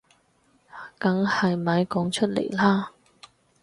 梗係咪講出嚟啦